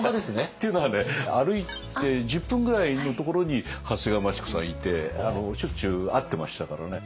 っていうのはね歩いて１０分ぐらいのところに長谷川町子さんいてしょっちゅう会ってましたからね。